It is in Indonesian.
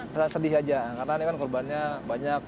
rasa sedih aja karena ini kan korbannya banyak